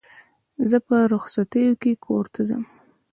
زه په رخصتیو کښي کور ته ځم.